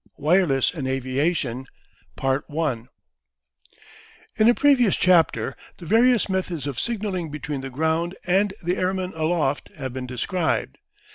WIRELESS IN AVIATION In a previous chapter the various methods of signalling between the ground and the airman aloft have been described.